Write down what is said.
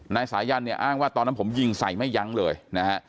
นายสายันเนี่ยอ้างว่าตอนนั้นผมยิงใส่ไม่ยั้งเลยนะฮะ